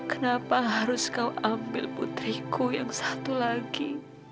kenapa harus kau ambil putriku yang satu lagi